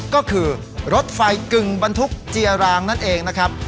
ก็คือรถไฟกึ่งบรรทุกเจียรางนั่นเองนะครับ